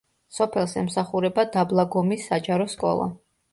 სოფელს ემსახურება დაბლაგომის საჯარო სკოლა.